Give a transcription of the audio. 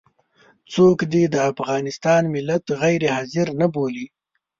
څوک دې د افغانستان ملت غير حاضر نه بولي.